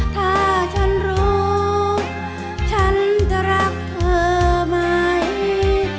ถ้าฉันรู้ฉันจะรักเธอไหม